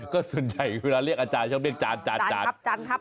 ก็ส่วนใหญ่เวลาเรียกอาจารย์ต้องเรียกจานจาน